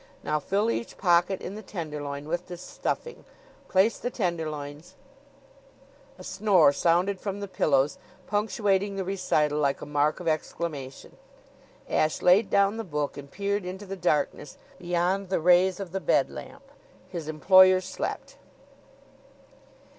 Now fill each pocket in the tenderloin with this stuffing. Place the tenderloins '" A snore sounded from the pillows, punctuating the recital like a mark of exclamation. Ashe laid down the book and peered into the darkness beyond the rays of the bed lamp. His employer slept.